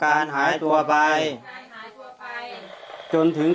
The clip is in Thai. ข้าพเจ้านางสาวสุภัณฑ์หลาโภ